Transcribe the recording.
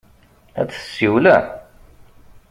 Ad d-tsiwlem?